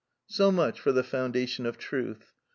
So much for the foundation of truth.